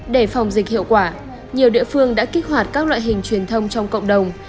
để phòng dịch hiệu quả nhiều địa phương đã kích hoạt các loại hình truyền thông trong cộng đồng